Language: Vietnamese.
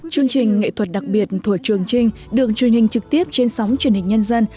chương trình nghệ thuật đặc biệt thủa trường trinh được truyền hình trực tiếp trên sóng truyền hình nhân dân